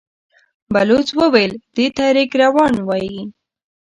بلوڅ وويل: دې ته رېګ روان وايي.